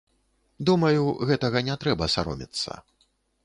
Думаю, гэтага не трэба саромецца.